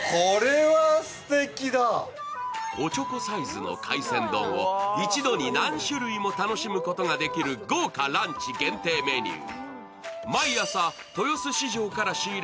おちょこサイズの海鮮丼を一度に何種類も楽しむことができる豪華ランチ限定メニュー。